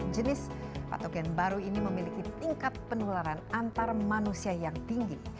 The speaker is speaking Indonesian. jenis patogen baru ini memiliki tingkat penularan antar manusia yang tinggi